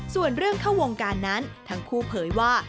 ส่วนเรื่องเข้าวงการนั้นทั้งคู่เผยว่า